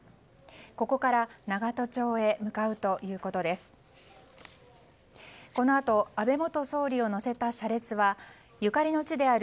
ここから永田町へ向かうということです。